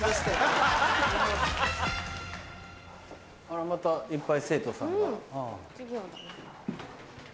あらまたいっぱい生徒さんが。